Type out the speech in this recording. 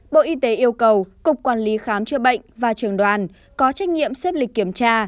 bộ y tế yêu cầu cục quản lý khám chữa bệnh và trường đoàn có trách nhiệm xếp lịch kiểm tra